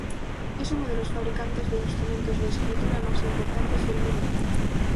Es uno de los fabricantes de instrumentos de escritura más importantes del mundo.